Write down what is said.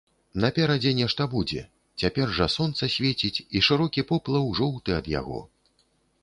Наперадзе нешта будзе, цяпер жа сонца свеціць, і шырокі поплаў жоўты ад яго.